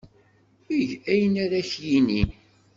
Eg ayen ara ak-yini.